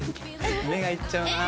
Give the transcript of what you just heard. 目がいっちゃうなー。